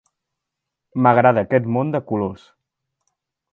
M'agrada aquest món de colors.